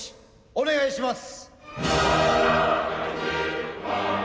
お願いします。